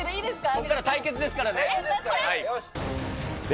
ここから対決ですからね。